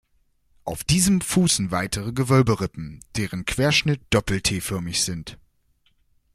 Auf diesem fußen weitere Gewölberippen, deren Querschnitt doppel-T-förmig sind.